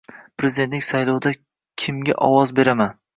Prezident saylovida kimga ovoz beraman?